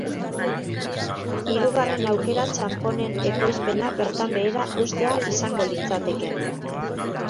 Hirugarren aukera txanponen ekoizpena bertan behera uztea izango litzateke.